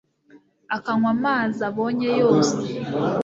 akanywa amazi abonye yose